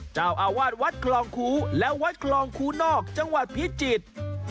เจ้าอาวาสวัดคลองคูและวัดคลองคูนอกจังหวัดพิจิตร